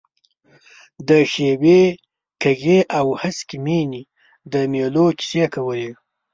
د ښیوې، کږې او هسکې مېنې د مېلو کیسې کولې.